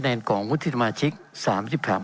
เป็นของสมาชิกสภาพภูมิแทนรัฐรนดร